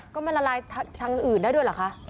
ก็มันละลายทางอื่นได้ด้วยเหรอคะ